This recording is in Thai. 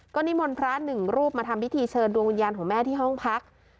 นิมนต์พระหนึ่งรูปมาทำพิธีเชิญดวงวิญญาณของแม่ที่ห้องพัก